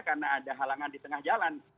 karena ada halangan di tengah jalan